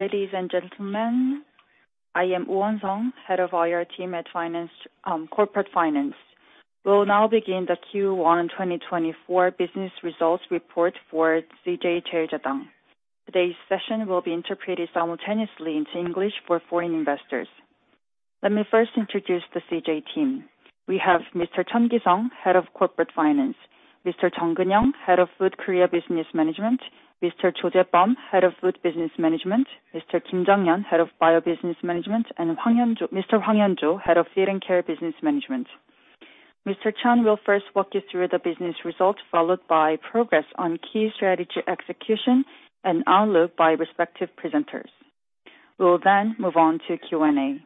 Ladies and gentlemen, I am Jun Seong, head of IR team at Finance, Corporate Finance. We'll now begin the Q1 2024 business results report for CJ CheilJedang. Today's session will be interpreted simultaneously into English for foreign investors. Let me first introduce the CJ team. We have Mr. Kang Kyoung-suk, head of Corporate Finance; Mr. Chung Geun-young, head of Food Korea Business Management; Mr. Cho Jae-bum, head of Food Business Management; Mr. Kim Jung-hyun, head of Bio Business Management; and Hwang Hyun-joo, Mr. Hwang Hyun-joo, head of Feed and Care Business Management. Mr. Kang Kyoung-suk will first walk us through the business results, followed by progress on key strategy execution and outlook by respective presenters. We'll then move on to Q&A.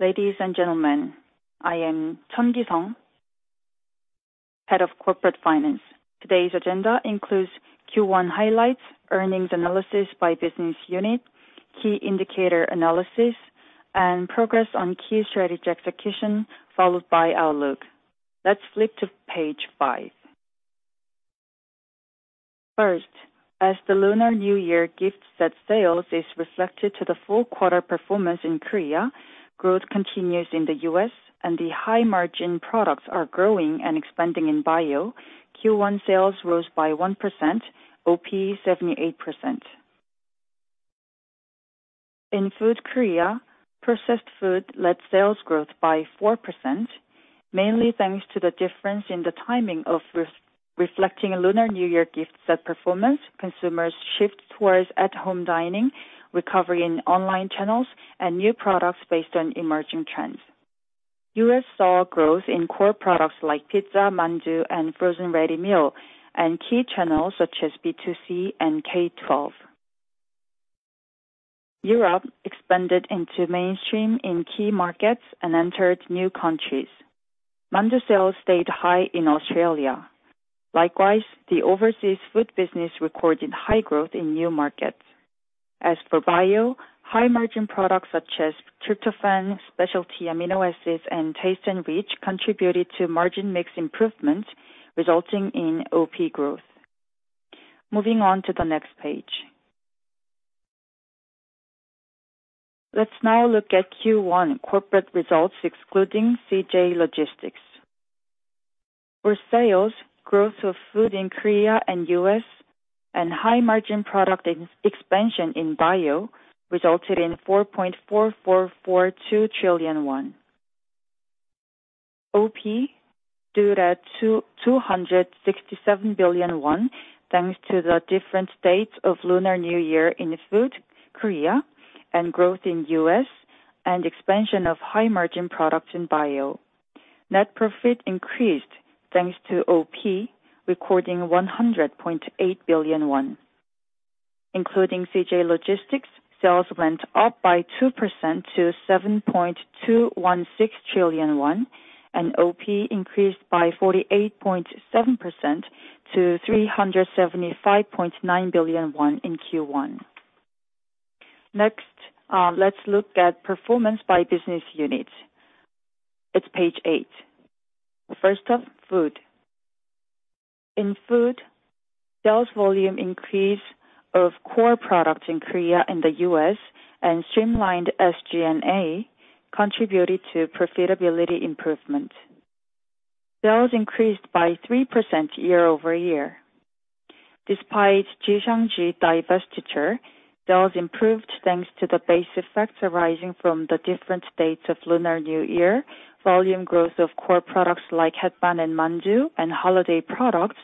Ladies and gentlemen, I am Kang Kyoung-suk, head of Corporate Finance. Today's agenda includes Q1 highlights, earnings analysis by business unit, key indicator analysis, and progress on key strategy execution, followed by outlook. Let's flip to page 5. First, as the Lunar New Year gift set sales is reflected to the full quarter performance in Korea, growth continues in the U.S., and the high-margin products are growing and expanding in bio. Q1 sales rose by 1%, OP 78%. In Food Korea, processed Food led sales growth by 4%, mainly thanks to the difference in the timing of reflecting Lunar New Year gift set performance. Consumers shift towards at-home dining, recovery in online channels, and new products based on emerging trends. U.S. saw growth in core products like pizza, mandu, and frozen ready meal, and key channels such as B2C and K-12. Europe expanded into mainstream in key markets and entered new countries. mandu sales stayed high in Australia. Likewise, the overseas Food business recorded high growth in new markets. As for bio, high-margin products such as tryptophan, specialty amino acids, and TasteNrich contributed to margin mix improvements, resulting in OP growth. Moving on to the next page. Let's now look at Q1 corporate results excluding CJ Logistics. For sales, growth of Food in Korea and U.S., and high-margin product expansion in bio resulted in 4.4442 trillion won. OP stood at 267 billion won thanks to the different dates of Lunar New Year in Food, Korea, and growth in U.S., and expansion of high-margin products in bio. Net profit increased thanks to OP, recording 100.8 billion won. Including CJ Logistics, sales went up by 2% to 7.216 trillion won, and OP increased by 48.7% to 375.9 billion won in Q1. Next, let's look at performance by business unit. It's page 8. First up, food. In food, sales volume increase of core products in Korea and the U.S. and streamlined SG&A contributed to profitability improvement. Sales increased by 3% year-over-year. Despite Jixiangju divestiture, sales improved thanks to the base effects arising from the different dates of Lunar New Year, volume growth of core products like Hetbahn and mandu and holiday products,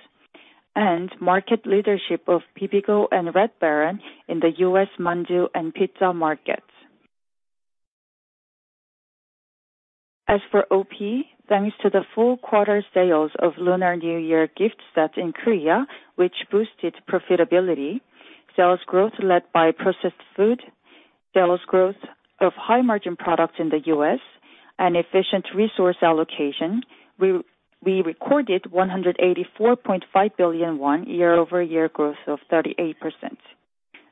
and market leadership of Bibigo and Red Baron in the U.S. mandu and pizza markets. As for OP, thanks to the full quarter sales of Lunar New Year gift set in Korea, which boosted profitability, sales growth led by processed food, sales growth of high-margin products in the U.S., and efficient resource allocation, we recorded 184.5 billion won year-over-year growth of 38%.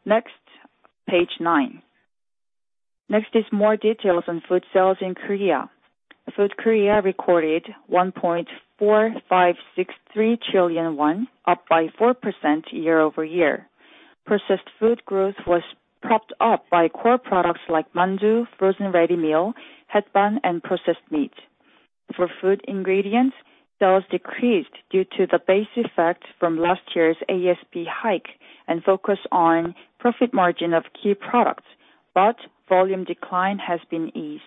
Next, page 9. Next is more details on food sales in Korea. Food Korea recorded 1.4563 trillion won, up by 4% year-over-year. Processed food growth was propped up by core products like mandu, frozen ready meal, Hetbahn, and processed meat. For food ingredients, sales decreased due to the base effects from last year's ASP hike and focus on profit margin of key products, but volume decline has been eased.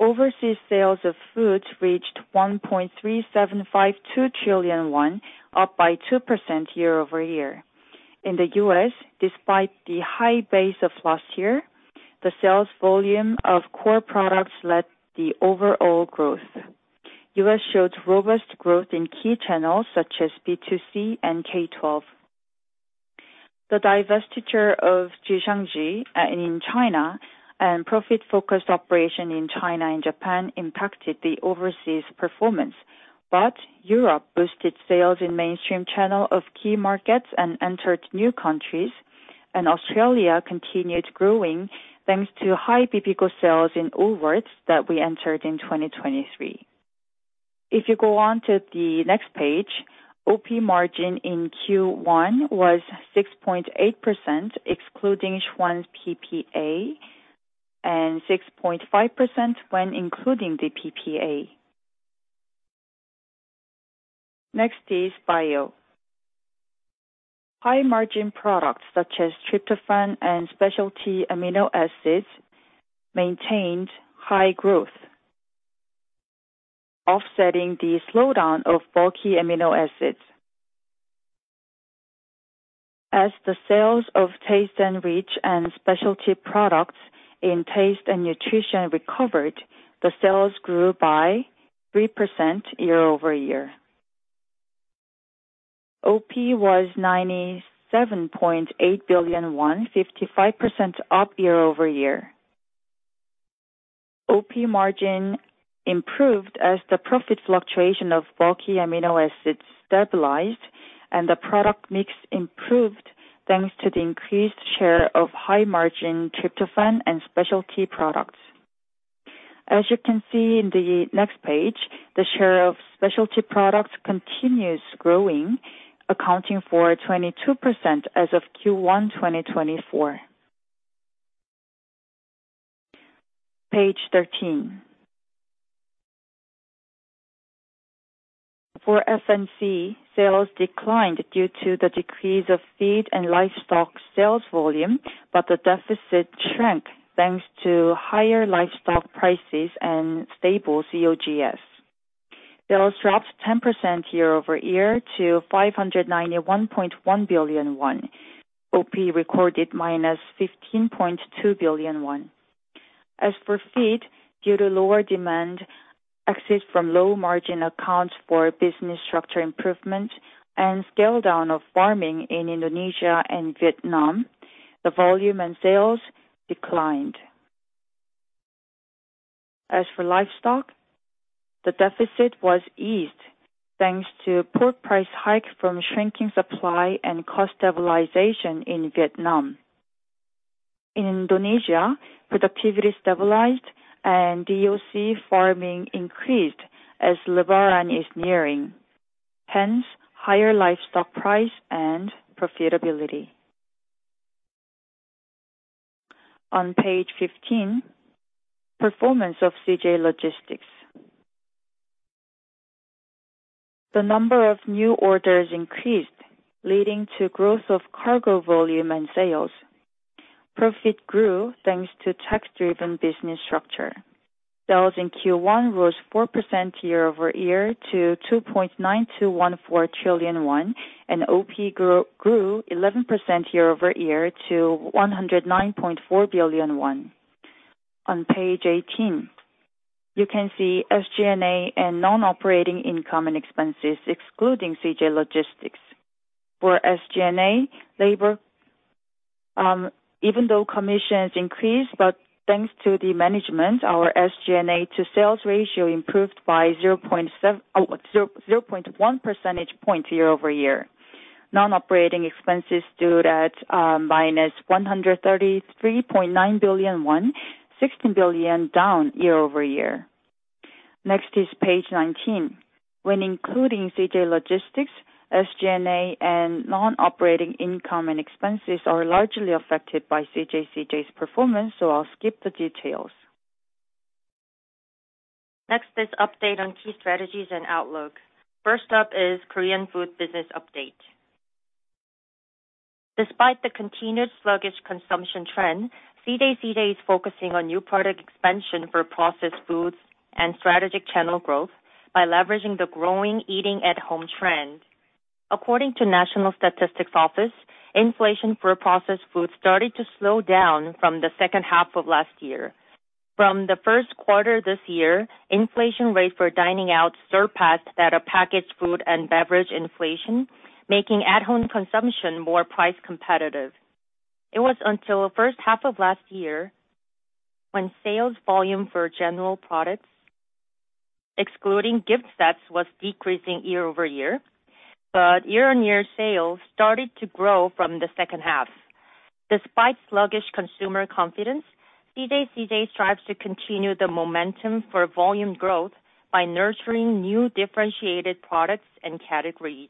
Overseas sales of foods reached 1.3752 trillion won, up by 2% year-over-year. In the U.S., despite the high base of last year, the sales volume of core products led the overall growth. U.S. showed robust growth in key channels such as B2C and K-12. The divestiture of Jixiangju in China and profit-focused operation in China and Japan impacted the overseas performance, but Europe boosted sales in mainstream channel of key markets and entered new countries, and Australia continued growing thanks to high Bibigo sales in Woolworths that we entered in 2023. If you go on to the next page, OP margin in Q1 was 6.8% excluding Schwan's PPA and 6.5% when including the PPA. Next is Bio. High-margin products such as tryptophan and specialty amino acids maintained high growth, offsetting the slowdown of bulky amino acids. As the sales of TasteNrich and specialty products in Taste and Nutrition recovered, the sales grew by 3% year-over-year. OP was 97.8 billion won, 55% up year-over-year. OP margin improved as the profit fluctuation of bulky amino acids stabilized and the product mix improved thanks to the increased share of high-margin tryptophan and specialty products. As you can see in the next page, the share of specialty products continues growing, accounting for 22% as of Q1 2024. Page 13. For F&C, sales declined due to the decrease of feed and livestock sales volume, but the deficit shrank thanks to higher livestock prices and stable COGS. Sales dropped 10% year-over-year to 591.1 billion won. OP recorded -15.2 billion won. As for feed, due to lower demand exit from low-margin accounts for business structure improvements and scale-down of farming in Indonesia and Vietnam, the volume and sales declined. As for livestock, the deficit was eased thanks to pork price hike from shrinking supply and cost stabilization in Vietnam. In Indonesia, productivity stabilized and DOC farming increased as Lebaran is nearing. Hence, higher livestock price and profitability. On page 15, performance of CJ Logistics. The number of new orders increased, leading to growth of cargo volume and sales. Profit grew thanks to tax-driven business structure. Sales in Q1 rose 4% year-over-year to 2.9214 trillion won, and OP grew 11% year-over-year to 109.4 billion won. On page 18, you can see SG&A and non-operating income and expenses excluding CJ Logistics. For SG&A, labor, even though commissions increased, but thanks to the management, our SG&A to sales ratio improved by 0.7, oh, 0.1 percentage point year-over-year. Non-operating expenses stood at -133.9 billion won, 16 billion down year-over-year. Next is page 19. When including CJ Logistics, SG&A and non-operating income and expenses are largely affected by CJ CheilJedang's performance, so I'll skip the details. Next is update on key strategies and outlook. First up is Korean food business update. Despite the continued sluggish consumption trend, CJ CheilJedang is focusing on new product expansion for processed foods and strategic channel growth by leveraging the growing eating-at-home trend. According to National Statistics Office, inflation for processed foods started to slow down from the second half of last year. From the Q1 this year, inflation rates for dining out surpassed that of packaged food and beverage inflation, making at-home consumption more price competitive. It was until the first half of last year when sales volume for general products, excluding gift sets, was decreasing year-over-year, but year-on-year sales started to grow from the second half. Despite sluggish consumer confidence, CJ CheilJedang strives to continue the momentum for volume growth by nurturing new differentiated products and categories,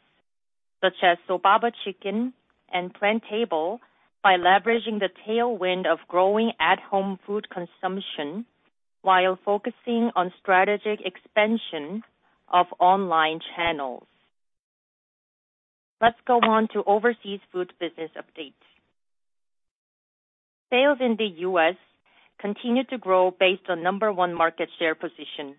such as Sobaba Chicken and PlanTable, by leveraging the tailwind of growing at-home food consumption while focusing on strategic expansion of online channels. Let's go on to overseas food business update. Sales in the U.S. continue to grow based on No. 1 market share position.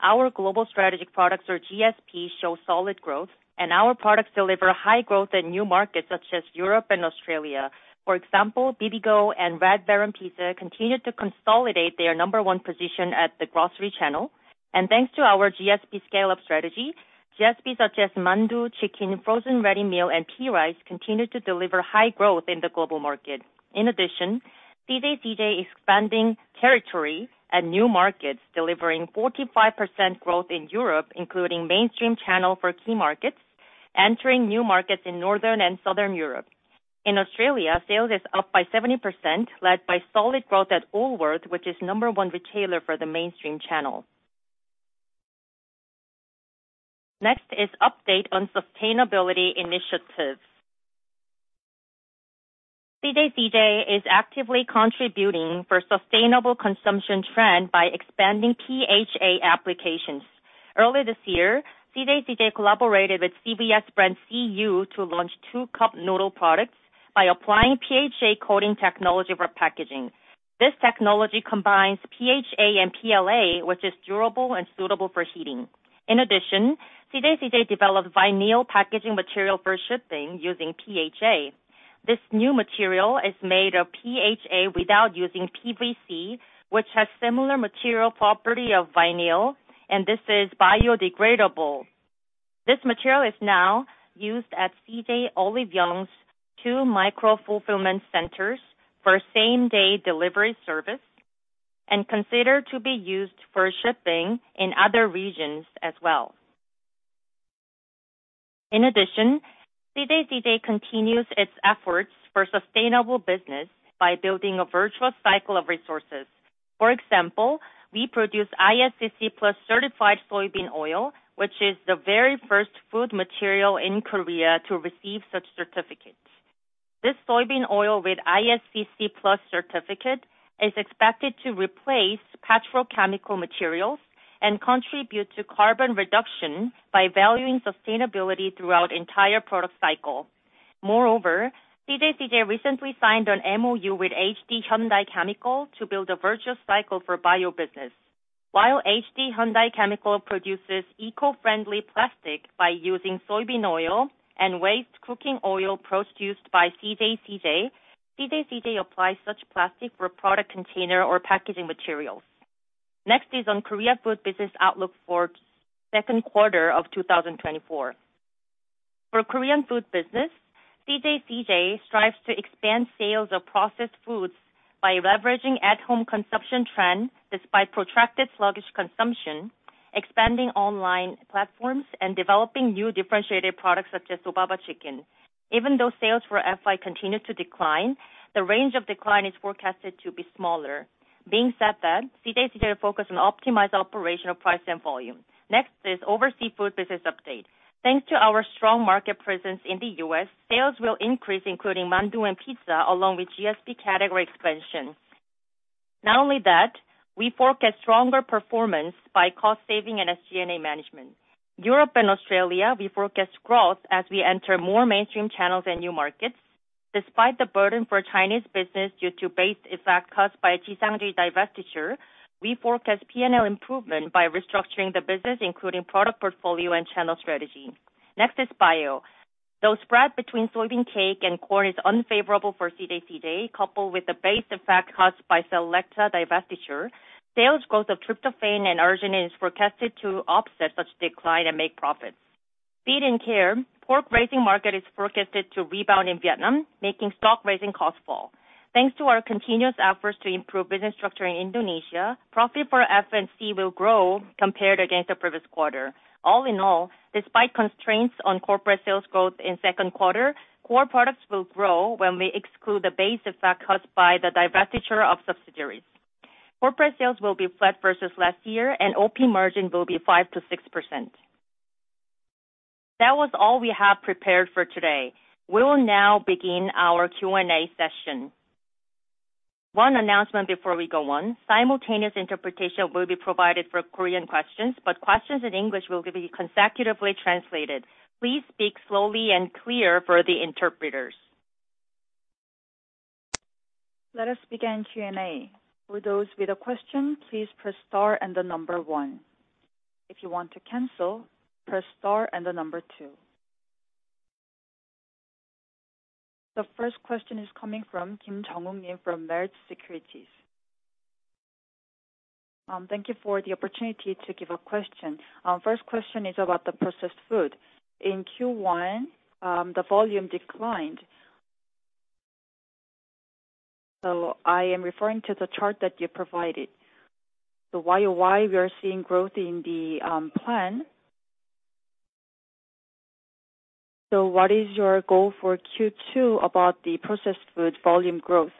Our global strategic products, or GSP, show solid growth, and our products deliver high growth in new markets such as Europe and Australia. For example, Bibigo and Red Baron continue to consolidate their No. 1 position at the grocery channel, and thanks to our GSP scale-up strategy, GSPs such as mandu, chicken, frozen ready meal, and processed rice continue to deliver high growth in the global market. In addition, CJ CheilJedang is expanding territory at new markets, delivering 45% growth in Europe, including mainstream channel for key markets, entering new markets in Northern and Southern Europe. In Australia, sales is up by 70%, led by solid growth at Woolworths, which is No. 1 retailer for the mainstream channel. Next is update on sustainability initiatives. CJ CheilJedang is actively contributing for sustainable consumption trends by expanding PHA applications. Early this year, CJ CheilJedang collaborated with the CU brand to launch two cup noodle products by applying PHA coating technology for packaging. This technology combines PHA and PLA, which is durable and suitable for heating. In addition, CJ CheilJedang developed vinyl packaging material for shipping using PHA. This new material is made of PHA without using PVC, which has similar material properties to vinyl, and this is biodegradable. This material is now used at CJ Olive Young's two micro-fulfillment centers for same-day delivery service and considered to be used for shipping in other regions as well. In addition, CJ CheilJedang continues its efforts for sustainable business by building a virtuous cycle of resources. For example, we produce ISCC+ certified soybean oil, which is the very first food material in Korea to receive such certification. This soybean oil with ISCC+ certificate is expected to replace petrochemical materials and contribute to carbon reduction by valuing sustainability throughout the entire product cycle. Moreover, CJ CheilJedang recently signed an MOU with HD Hyundai Chemical to build a virtuous cycle for bio business. While HD Hyundai Chemical produces eco-friendly plastic by using soybean oil and waste cooking oil produced by CJ CheilJedang, CJ CheilJedang applies such plastic for product container or packaging materials. Next is on Korean food business outlook for Q2 of 2024. For Korean food business, CJ CheilJedang strives to expand sales of processed foods by leveraging at-home consumption trends despite protracted sluggish consumption, expanding online platforms, and developing new differentiated products such as Sobaba Chicken. Even though sales for FI continue to decline, the range of decline is forecasted to be smaller. That being said, CJ CheilJedang focuses on optimizing operational price and volume. Next is overseas food business update. Thanks to our strong market presence in the U.S., sales will increase, including mandu and pizza, along with GSP category expansion. Not only that, we forecast stronger performance by cost-saving and SG&A management. In Europe and Australia, we forecast growth as we enter more mainstream channels and new markets. Despite the burden for Chinese business due to base effect costs by Jixiangju divestiture, we forecast P&L improvement by restructuring the business, including product portfolio and channel strategy. Next is bio. Though spread between soybean cake and corn is unfavorable for CJ CheilJedang, coupled with the base effect costs by CJ Selecta divestiture, sales growth of tryptophan and arginine is forecasted to offset such decline and make profits. Feed & Care, the pork raising market is forecasted to rebound in Vietnam, making stock raising costs fall. Thanks to our continuous efforts to improve business structure in Indonesia, profit for F&C will grow compared against the previous quarter. All in all, despite constraints on corporate sales growth in Q2, core products will grow when we exclude the base effect costs by the divestiture of subsidiaries. Corporate sales will be flat versus last year, and OP margin will be 5%-6%. That was all we have prepared for today. We will now begin our Q&A session. One announcement before we go on. Simultaneous interpretation will be provided for Korean questions, but questions in English will be consecutively translated. Please speak slowly and clearly for the interpreters. Let us begin Q&A. For those with a question, please press star and 1. If you want to cancel, press star and 2. The first question is coming from Kim Jung-wook from Meritz Securities. Thank you for the opportunity to give a question. First question is about the processed food. In Q1, the volume declined. I am referring to the chart that you provided. Why we are seeing growth in the plan. What is your goal for Q2 about the processed food volume growth?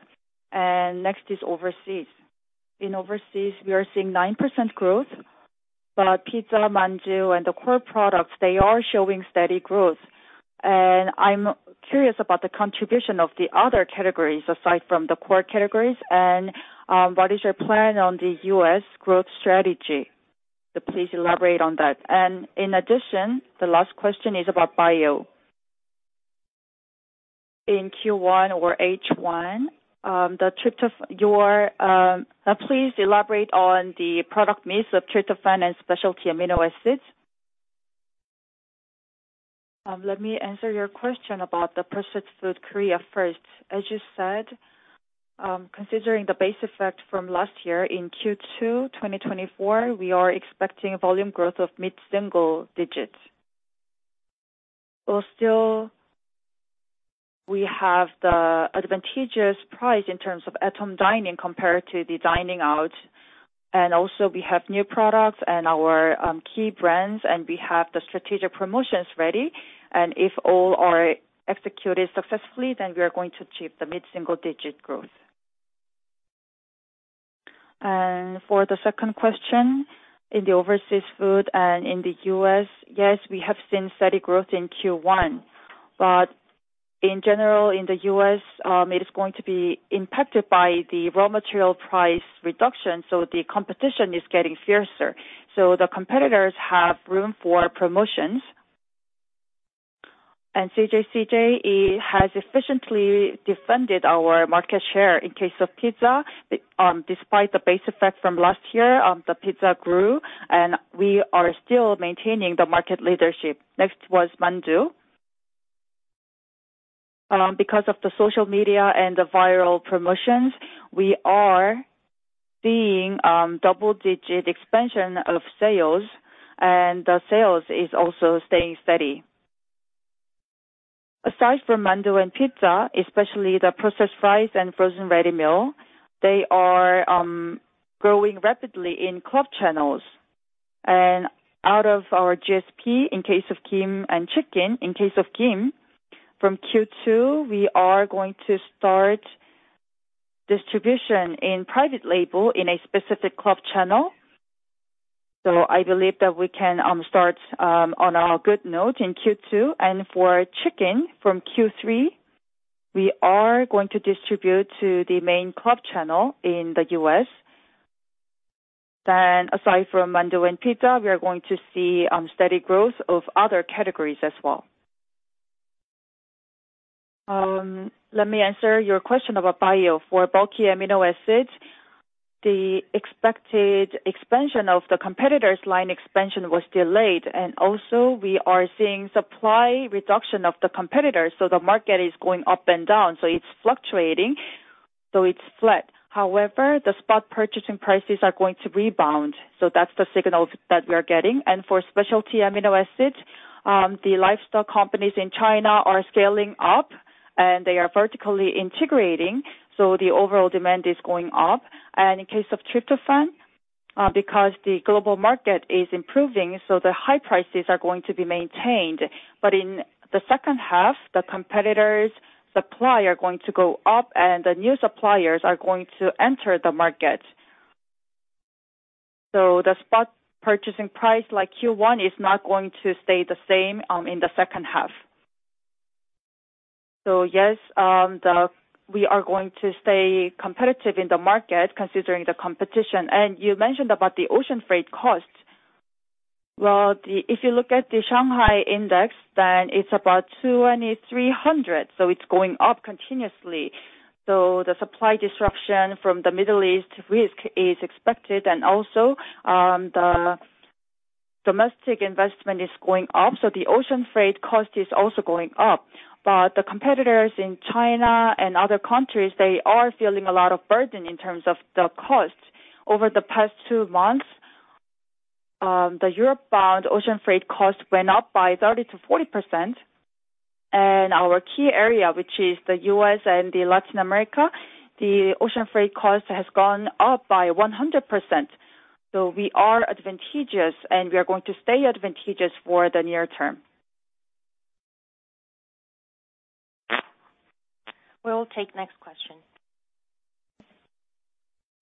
And next is overseas. In overseas, we are seeing 9% growth. But pizza, mandu, and the core products, they are showing steady growth. And I'm curious about the contribution of the other categories aside from the core categories. And what is your plan on the U.S. growth strategy? Please elaborate on that. And in addition, the last question is about bio. In Q1 or H1, the tryptophan your please elaborate on the product mix of tryptophan and specialty amino acids. Let me answer your question about the processed food, Korea first. As you said, considering the base effect from last year, in Q2 2024, we are expecting volume growth of mid-single digits. We'll still have the advantageous price in terms of at-home dining compared to the dining out. And also, we have new products and our key brands, and we have the strategic promotions ready. And if all are executed successfully, then we are going to achieve the mid-single digit growth. And for the second question, in the overseas food and in the U.S., yes, we have seen steady growth in Q1. But in general, in the U.S., it is going to be impacted by the raw material price reduction. So the competition is getting fiercer. So the competitors have room for promotions. And CJ has efficiently defended our market share in case of pizza. Despite the base effect from last year, the pizza grew. We are still maintaining the market leadership. Next was mandu. Because of the social media and the viral promotions, we are seeing double-digit expansion of sales. And the sales is also staying steady. Aside from mandu and pizza, especially the processed rice and frozen ready meal, they are growing rapidly in club channels. And out of our GSP, in case of kimchi and chicken, in case of kimchi, from Q2, we are going to start distribution in private label in a specific club channel. So I believe that we can start on a good note in Q2. And for chicken, from Q3, we are going to distribute to the main club channel in the U.S. Then aside from mandu and pizza, we are going to see steady growth of other categories as well. Let me answer your question about bio. For Bulky Amino Acids, the expected expansion of the competitors' line expansion was delayed. And also, we are seeing supply reduction of the competitors. So the market is going up and down. So it's fluctuating. So it's flat. However, the spot purchasing prices are going to rebound. So that's the signal that we are getting. And for Specialty Amino Acids, the livestock companies in China are scaling up. And they are vertically integrating. So the overall demand is going up. And in case of Tryptophan, because the global market is improving, so the high prices are going to be maintained. But in the second half, the competitors' supply are going to go up, and the new suppliers are going to enter the market. So the spot purchasing price like Q1 is not going to stay the same in the second half. So yes, we are going to stay competitive in the market considering the competition. And you mentioned about the ocean freight costs. Well, if you look at the Shanghai index, then it's about 2,300. So it's going up continuously. So the supply disruption from the Middle East risk is expected. And also, the domestic investment is going up. So the ocean freight cost is also going up. But the competitors in China and other countries, they are feeling a lot of burden in terms of the costs. Over the past two months, the Europe-bound ocean freight cost went up by 30%-40%. And our key area, which is the U.S. and the Latin America, the ocean freight cost has gone up by 100%. So we are advantageous, and we are going to stay advantageous for the near term. We'll take next question.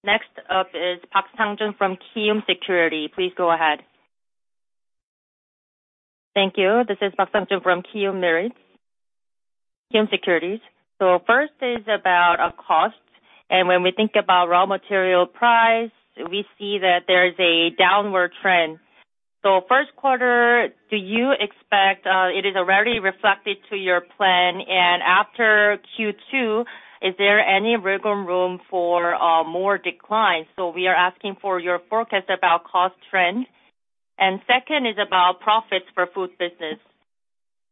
Next up is Park Sang-jun from Kiwoom Securities. Please go ahead. Thank you. This is Park Sang-jun from Kiwoom Securities. So first is about costs. And when we think about raw material price, we see that there is a downward trend. So Q1, do you expect it is already reflected to your plan. And after Q2, is there any wiggle room for more decline? So we are asking for your forecast about cost trends. And second is about profits for food business.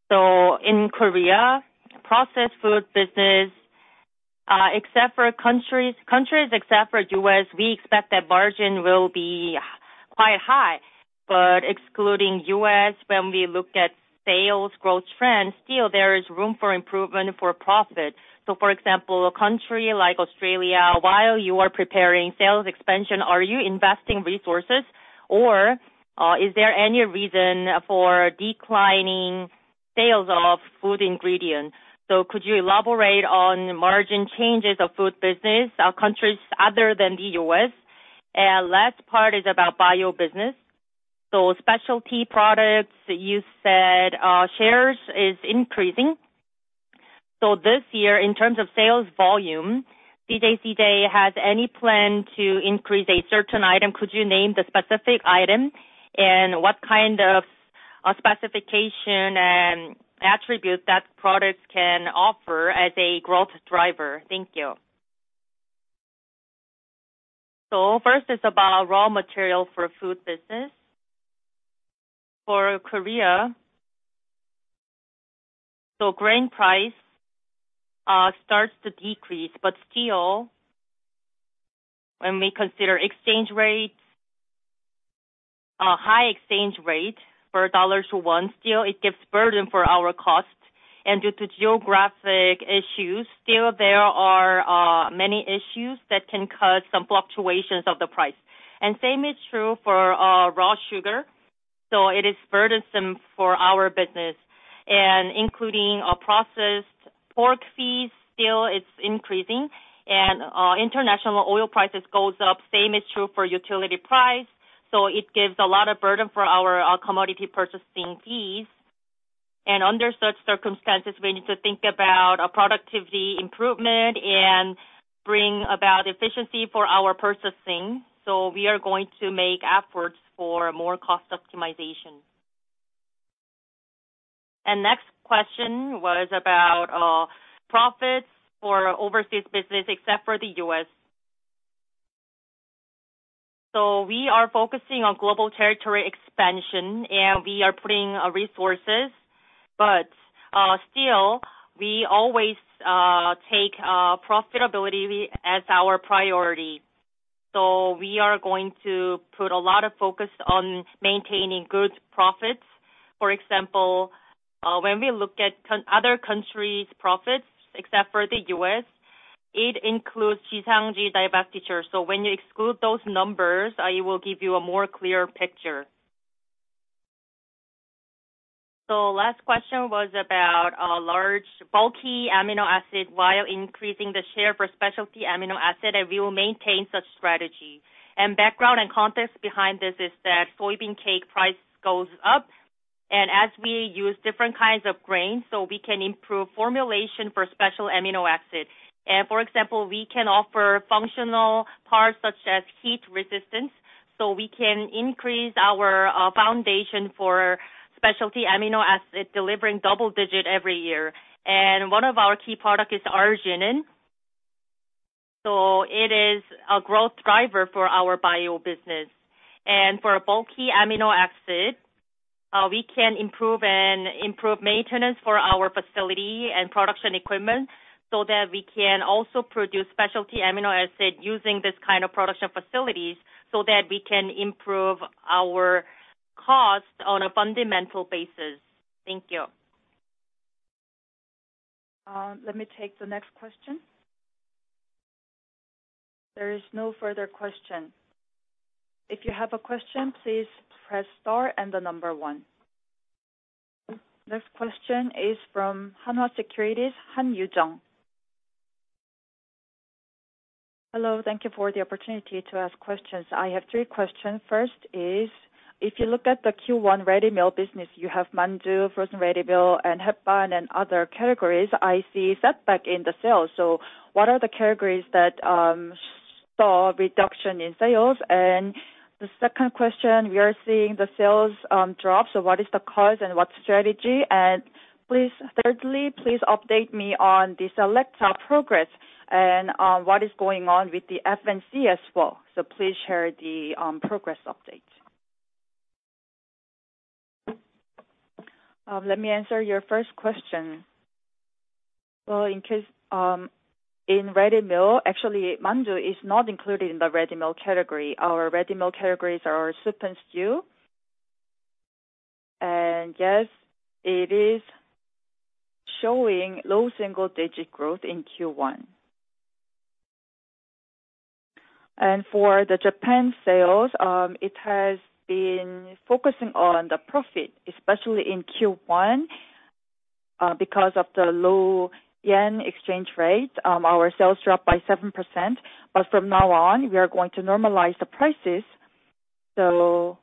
So in Korea, processed food business, except for countries except for the U.S., we expect that margin will be quite high. But excluding the U.S., when we look at sales growth trends, still there is room for improvement for profit. So for example, a country like Australia, while you are preparing sales expansion, are you investing resources? Or is there any reason for declining sales of food ingredients? So could you elaborate on margin changes of food business countries other than the U.S.? And last part is about biobusiness. So specialty products, you said shares are increasing. So this year, in terms of sales volume, CJCJ has any plan to increase a certain item? Could you name the specific item? And what kind of specification and attribute that product can offer as a growth driver? Thank you. So first is about raw material for food business. For Korea, so grain price starts to decrease. But still, when we consider exchange rates, a high exchange rate per dollar to won, still it gives burden for our costs. And due to geographic issues, still there are many issues that can cause some fluctuations of the price. And same is true for raw sugar. So it is burdensome for our business. And, including processed pork fees, still it's increasing. And international oil prices go up. Same is true for utility price. So it gives a lot of burden for our commodity purchasing fees. And under such circumstances, we need to think about productivity improvement and bring about efficiency for our purchasing. So we are going to make efforts for more cost optimization. And next question was about profits for overseas business except for the U.S. So we are focusing on global territory expansion, and we are putting resources. But still, we always take profitability as our priority. So we are going to put a lot of focus on maintaining good profits. For example, when we look at other countries' profits except for the U.S., it includes Jixiangju divestiture. So when you exclude those numbers, it will give you a more clear picture. So last question was about large Bulky Amino Acids while increasing the share for Specialty Amino Acids. And we will maintain such strategy. And background and context behind this is that soybean cake price goes up. And as we use different kinds of grains, so we can improve formulation for Specialty Amino Acids. And for example, we can offer functional parts such as heat resistance. So we can increase our foundation for Specialty Amino Acids delivering double-digit every year. And one of our key products is Arginine. So it is a growth driver for our biobusiness. And for Bulky Amino Acids, we can improve and improve maintenance for our facility and production equipment so that we can also produce Specialty Amino Acids using this kind of production facilities so that we can improve our costs on a fundamental basis. Thank you. Let me take the next question. There is no further question. If you have a question, please press star and the number 1. Next question is from Hanwha Securities, Han Yu-jeong. Hello. Thank you for the opportunity to ask questions. I have three questions. First is, if you look at the Q1 ready meal business, you have mandu, frozen ready meal, and Hetbahn, and other categories, I see setback in the sales. So what are the categories that saw reduction in sales? And the second question, we are seeing the sales drop. So what is the cause and what strategy? And please thirdly, please update me on the Selecta progress and what is going on with the F&C as well. So please share the progress update. Let me answer your first question. Well, in case in ready meal, actually, mandu is not included in the ready meal category. Our ready meal categories are soup and stew. Yes, it is showing low single digit growth in Q1. For the Japan sales, it has been focusing on the profit, especially in Q1 because of the low yen exchange rate. Our sales dropped by 7%. But from now on, we are going to normalize the prices. So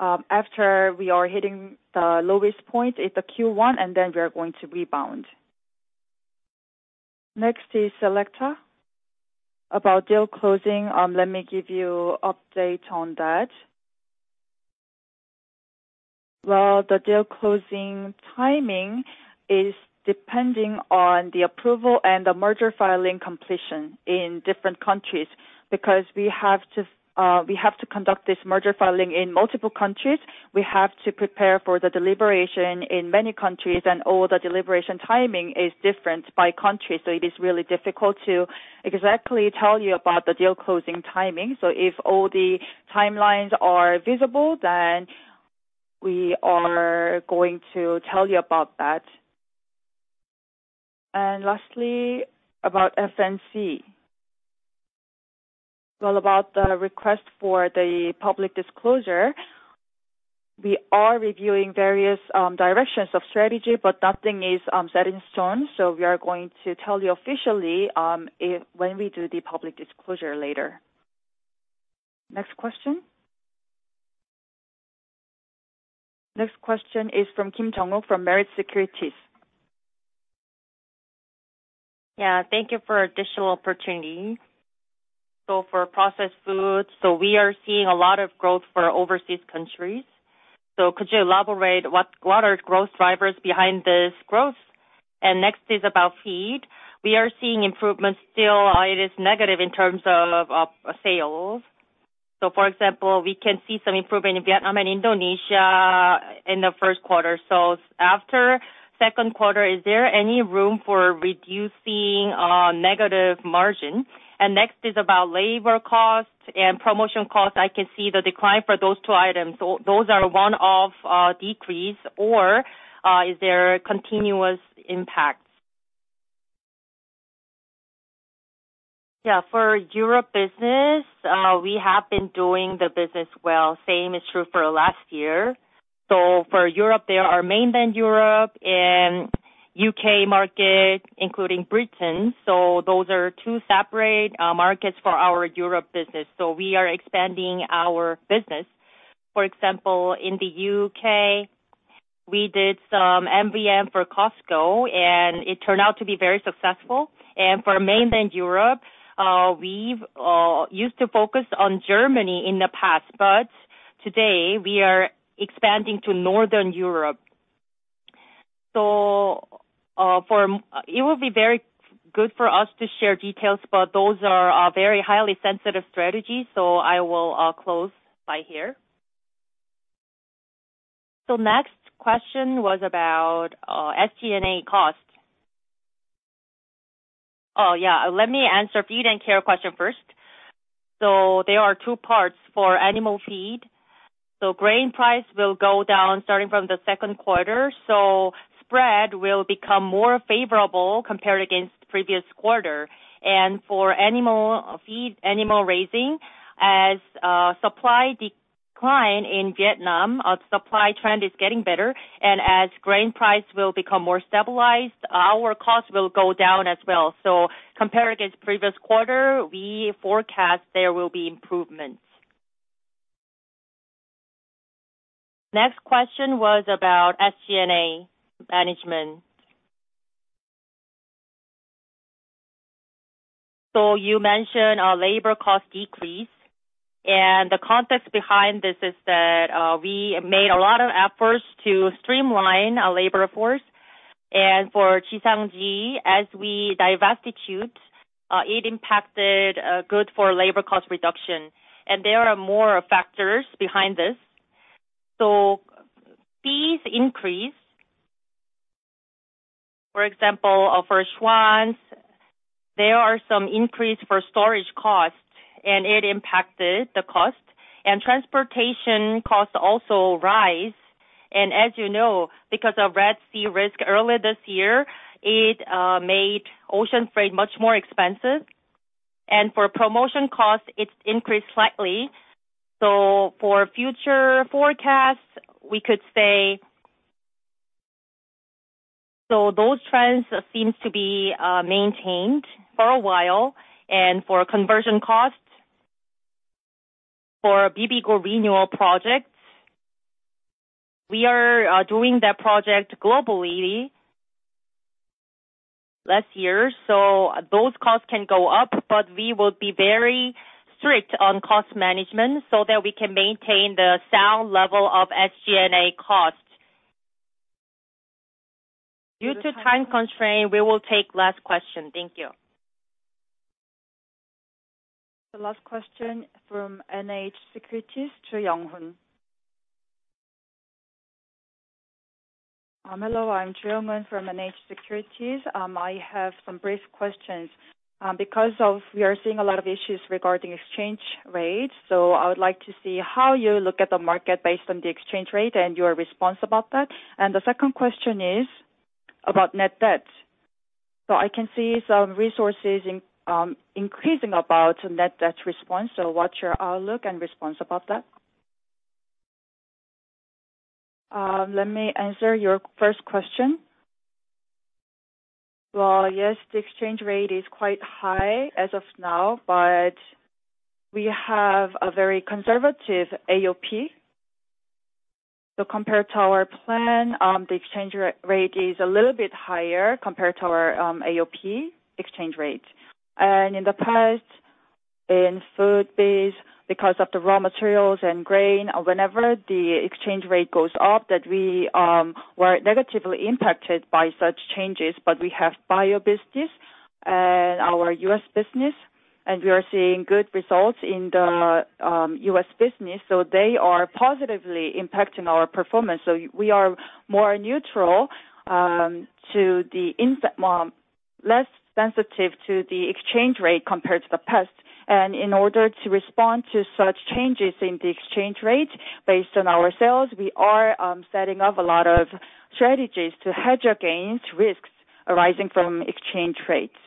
after we are hitting the lowest point in the Q1, and then we are going to rebound. Next is Selecta. About deal closing, let me give you an update on that. Well, the deal closing timing is depending on the approval and the merger filing completion in different countries. Because we have to conduct this merger filing in multiple countries, we have to prepare for the deliberation in many countries. All the deliberation timing is different by country. So it is really difficult to exactly tell you about the deal closing timing. So if all the timelines are visible, then we are going to tell you about that. And lastly, about F&C. Well, about the request for the public disclosure, we are reviewing various directions of strategy, but nothing is set in stone. So we are going to tell you officially when we do the public disclosure later. Next question. Next question is from Kim Jung-wook from Meritz Securities. Yeah. Thank you for an additional opportunity. So for processed foods, so we are seeing a lot of growth for overseas countries. So could you elaborate what are growth drivers behind this growth? And next is about feed. We are seeing improvements still. It is negative in terms of sales. So for example, we can see some improvement in Vietnam and Indonesia in the Q1. So after Q2, is there any room for reducing negative margin? Next is about labor costs and promotion costs. I can see the decline for those two items. Those are one-off decrease. Or is there continuous impact? Yeah. For Europe business, we have been doing the business well. Same is true for last year. So for Europe, there are mainland Europe and U.K. market, including Britain. So those are two separate markets for our Europe business. So we are expanding our business. For example, in the U.K., we did some MVM for Costco, and it turned out to be very successful. And for mainland Europe, we've used to focus on Germany in the past. But today, we are expanding to northern Europe. So for it will be very good for us to share details, but those are very highly sensitive strategies. So I will close by here. So next question was about SG&A costs. Oh, yeah. Let me answer Feed & Care question first. So there are two parts for animal feed. So grain price will go down starting from the Q2. So spread will become more favorable compared against previous quarter. And for animal feed, animal raising, as supply declines in Vietnam, supply trend is getting better. And as grain price will become more stabilized, our costs will go down as well. So compared against previous quarter, we forecast there will be improvements. Next question was about SG&A management. So you mentioned a labor cost decrease. And the context behind this is that we made a lot of efforts to streamline labor force. And for Jixiangju, as we divestiture, it impacted good for labor cost reduction. And there are more factors behind this. So fees increased. For example, for Schwan's, there are some increase for storage costs, and it impacted the cost. Transportation costs also rise. As you know, because of Red Sea risk early this year, it made ocean freight much more expensive. For promotion costs, it increased slightly. So for future forecasts, we could say so those trends seem to be maintained for a while. For conversion costs, for Bibigo renewal projects, we are doing that project globally last year. So those costs can go up. But we will be very strict on cost management so that we can maintain the sound level of SG&A costs. Due to time constraints, we will take last question. Thank you. The last question from NH Securities, Choi Young-hoon. Hello. I'm Choi Young-hoon from NH Securities. I have some brief questions. Because we are seeing a lot of issues regarding exchange rates, so I would like to see how you look at the market based on the exchange rate and your response about that. The second question is about net debt. So I can see some resources increasing about net debt response. So what's your outlook and response about that? Let me answer your first question. Well, yes, the exchange rate is quite high as of now. But we have a very conservative AOP. So compared to our plan, the exchange rate is a little bit higher compared to our AOP exchange rate. And in the past, in food business, because of the raw materials and grain, whenever the exchange rate goes up, that we were negatively impacted by such changes. But we have biobusiness and our U.S. business. And we are seeing good results in the U.S. business. They are positively impacting our performance. We are more neutral to the less sensitive to the exchange rate compared to the past. In order to respond to such changes in the exchange rate based on our sales, we are setting up a lot of strategies to hedge against risks arising from exchange rates.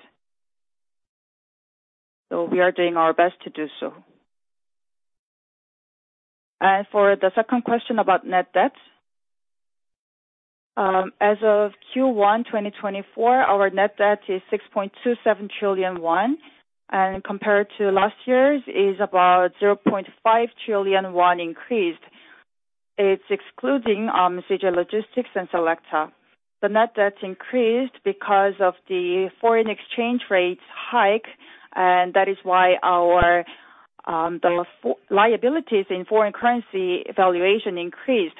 We are doing our best to do so. For the second question about net debt, as of Q1 2024, our net debt is 6.27 trillion won. Compared to last year's, it is about 0.5 trillion won increased. It's excluding CJ Logistics and Selecta. The net debt increased because of the foreign exchange rate hike. That is why our liabilities in foreign currency valuation increased.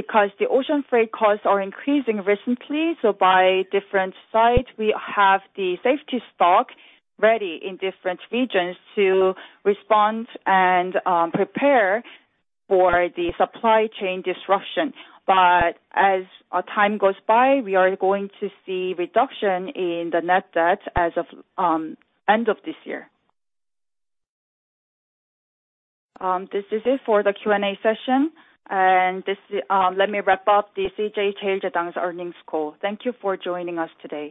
Because the ocean freight costs are increasing recently, so by different sites, we have the safety stock ready in different regions to respond and prepare for the supply chain disruption. But as time goes by, we are going to see reduction in the net debt as of end of this year. This is it for the Q&A session. And this, let me wrap up the CJ CheilJedang's earnings call. Thank you for joining us today.